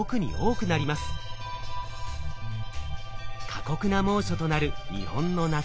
過酷な猛暑となる日本の夏。